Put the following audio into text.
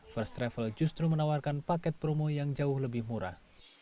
first travel justru menawarkan paket promo yang jauh lebih murah